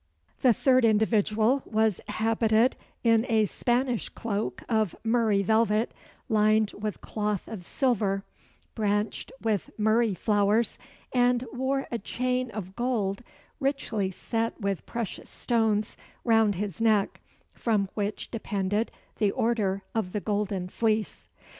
The third individual was habited in a Spanish cloak of murrey velvet, lined with cloth of silver, branched with murrey flowers, and wore a chain of gold, richly set with precious stones, round his neck, from which depended the order of the Golden Fleece.